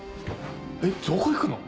えっどこ行くの？